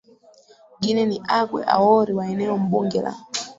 gine ni agwe awori wa eneo mbunge la